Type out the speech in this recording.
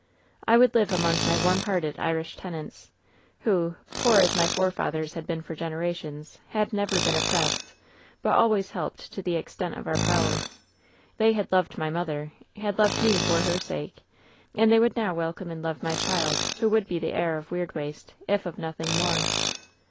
I would live among my warm hearted Irish tenants, who, poor as my forefathers had been for generations, had never been op pressed, but always helped to the extent of our power. They had loved my mother, had loved me for her sake, and they would now welcome and love my child, who would be the heir of Weirdwaste, if of nothing more.